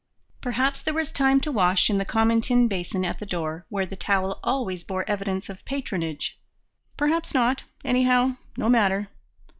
Perhaps there was time to wash in the common tin basin at the door, where the towel always bore evidence of patronage; perhaps not; anyhow, no matter.